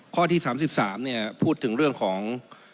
ข้อที่๓๓พูดถึงเรื่องของ